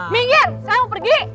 minggir saya mau pergi